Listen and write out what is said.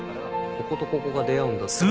こことここが出会うんだったらこう。